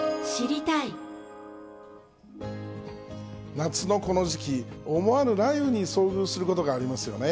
夏のこの時期、思わぬ雷雨に遭遇することがありますよね。